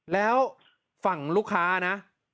แล้วฝั่งลูกค้านะ